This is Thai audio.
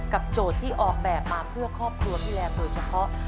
โจทย์ที่ออกแบบมาเพื่อครอบครัวพี่แรมโดยเฉพาะ